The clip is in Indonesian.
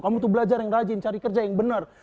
kamu tuh belajar yang rajin cari kerja yang benar